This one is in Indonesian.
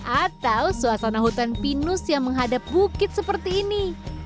atau suasana hutan pinus yang menghadap bukit seperti ini